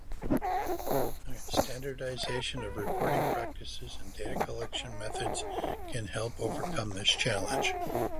Standardization of reporting practices and data collection methods can help overcome this challenge.